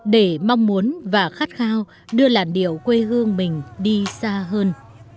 để mong muốn và khát khao đưa làn điệu quê hương mình đi xa hơn